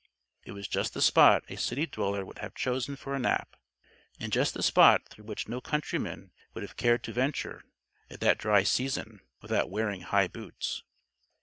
It was just the spot a city dweller would have chosen for a nap and just the spot through which no countryman would have cared to venture, at that dry season, without wearing high boots.